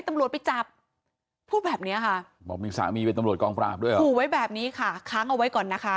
ตำรวจบอกว่ามีสามีนั่นจึงตอนทางล่ะว่า